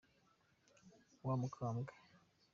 Wa mukambwe